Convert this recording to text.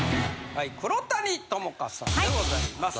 はい黒谷友香さんでございます。